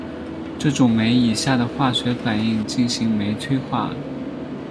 这种酶以下的化学反应进行酶催化。